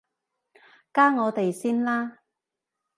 加我哋先啦